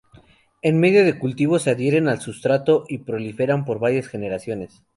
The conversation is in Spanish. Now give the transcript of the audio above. En medio de cultivo se adhieren al sustrato y proliferan por varias generaciones.